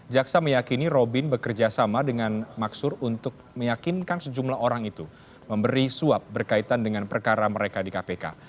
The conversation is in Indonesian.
jaksa meyakini robin bekerja sama dengan maksud untuk meyakinkan sejumlah orang itu memberi suap berkaitan dengan perkara mereka di kpk